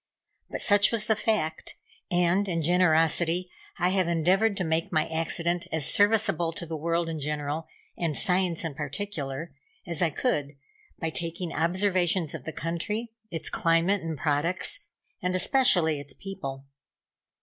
But such was the fact, and, in generosity, I have endeavored to make my accident as serviceable to the world in general, and Science in particular, as I could, by taking observations of the country, its climate and products, and especially its people.